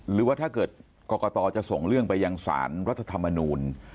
หรือว่าถ้าเกิดกรกตจะส่งเรื่องไปยังสารรัฐธรรมนูล